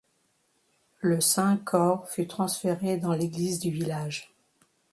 Le saint corps fut transféré dans l'église du village.